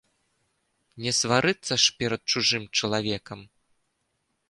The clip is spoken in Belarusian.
Не сварыцца ж перад чужым чалавекам.